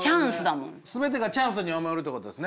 全てがチャンスに思えるってことですね。